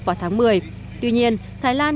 vào tháng một mươi tuy nhiên thái lan